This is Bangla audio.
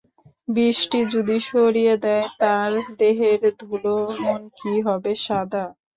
বৃষ্টি যদি সরিয়ে দেয় তার দেহের ধুলো, মন কি হবে সাদা?